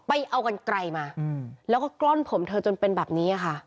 ไปเอากันไกลมาแล้วก็กล้อนผมเธอจนเป็นแบบนี้ค่ะ